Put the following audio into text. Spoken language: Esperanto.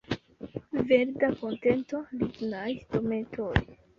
Verda ponteto, lignaj dometoj.